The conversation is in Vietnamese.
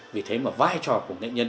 vì thế mà vai trò của nghệ nhân